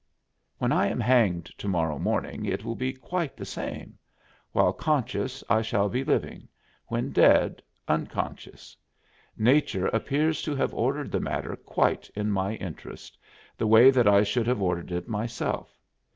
"When I am hanged to morrow morning it will be quite the same; while conscious I shall be living; when dead, unconscious. Nature appears to have ordered the matter quite in my interest the way that I should have ordered it myself.